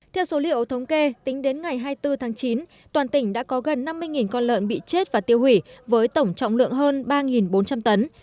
theo số liệu thống kê tính đến ngày hai mươi bốn tháng chín toàn tỉnh đã có gần năm mươi con lợn bị chết và tiêu hủy với tổng trọng lượng hơn ba bốn trăm linh tấn